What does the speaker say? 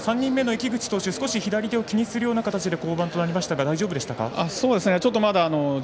３人目の投手、少し左手を気にするような形で降板になりましたが大丈夫でしたか？